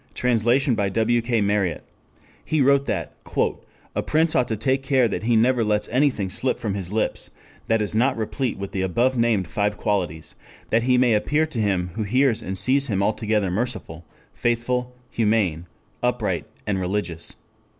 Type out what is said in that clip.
Translation by W. K. Marriott.] he wrote that "a prince ought to take care that he never lets anything slip from his lips that is not replete with the above named five qualities, that he may appear to him who hears and sees him altogether merciful, faithful, humane, upright, and religious.